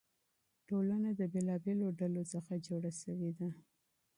ټولنه د بېلابېلو ډلو څخه جوړه سوې ده.